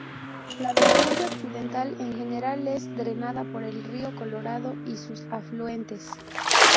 La vertiente occidental, en general, es drenada por el río Colorado y sus afluentes.